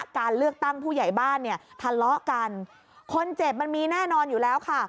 การเลือกตั้งผู้ใหญ่บ้านเนี่ยทะเลาะกันคนเจ็บมันมีแน่นอนอยู่แล้วค่ะ